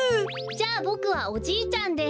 じゃあボクはおじいちゃんで。